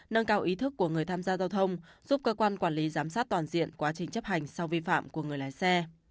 nâng cao ý thức của người tham gia giao thông giúp cơ quan quản lý giám sát toàn diện quá trình chấp hành sau vi phạm của người lái xe